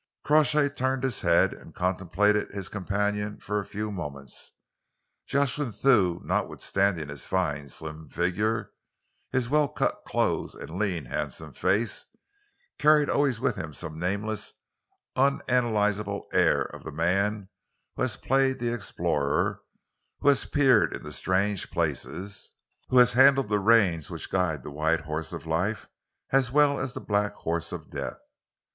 Crawshay turned his head and contemplated his companion for a few moments. Jocelyn Thew, notwithstanding his fine, slim figure, his well cut clothes and lean, handsome face, carried always with him some nameless, unanalysable air of the man who has played the explorer, who has peered into strange places, who has handled the reins which guide the white horse of life as well as the black horse of death.